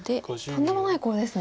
とんでもないコウですね。